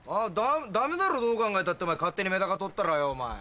ダメだろどう考えたってお前勝手にメダカ取ったらよ。